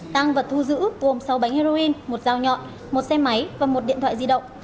tăng vật thu giữ gồm sáu bánh heroin một dao nhọn một xe máy và một điện thoại di động